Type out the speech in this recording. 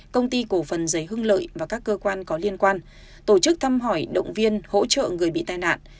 công ty cổ phần giấy hưng lợi và các cơ quan có liên quan tổ chức thăm hỏi động viên hỗ trợ người bị tai nạn